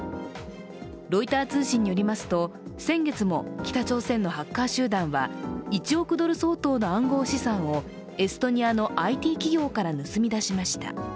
ロイター通信によりますと先月も北朝鮮のハッカー集団は、１億ドル相当の暗号資産をエストニアのＩＴ企業から盗み出しました。